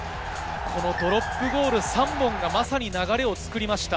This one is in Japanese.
ドロップゴール３本がまさに流れを作りました。